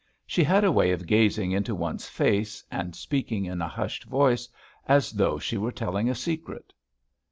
She had a way of gazing into one's face and speaking in a hushed voice as though she were telling a secret.